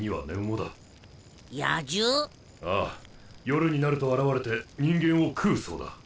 ああ夜になると現れて人間を食うそうだ。